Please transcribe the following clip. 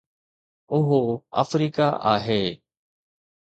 اهو آفريڪا آهي